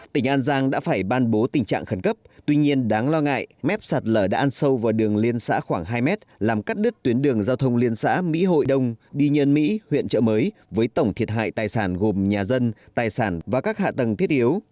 tỉnh an giang đã phải ban bố tình trạng khẩn cấp tuy nhiên đáng lo ngại mếp sạt lở đã ăn sâu vào đường liên xã khoảng hai mét làm cắt đứt tuyến đường giao thông liên xã mỹ hội đông đi nhân mỹ huyện trợ mới với tổng thiệt hại tài sản gồm nhà dân tài sản và các hạ tầng thiết yếu